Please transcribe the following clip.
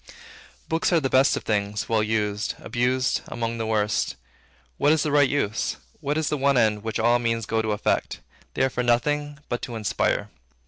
Books are the best of things, well used; abused, among the worst. What is the right use? What is the one end, which all means go to effect? They are for nothing but to inspire.